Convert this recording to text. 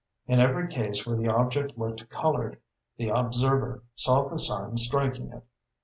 In every case where the object looked colored, the observer saw the sun striking it.